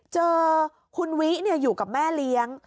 เจอคุณวิอยู่กับแม่เลี้ยง